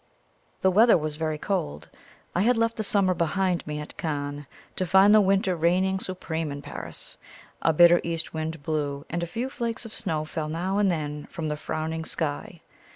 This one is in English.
The weather was very cold; I had left the summer behind me at Cannes, to find winter reigning supreme in Paris. A bitter east wind blew, and a few flakes of snow fell now and then from the frowning sky.